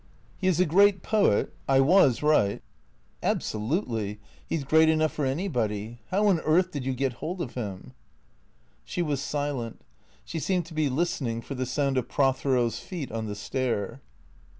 "He is a great poet? I was right?" " Absolutely, He 's great enough for anybody. How on earth did you get hold of him ?" She was silent. She seemed to be listening for the sound of Prothero's feet on the stair.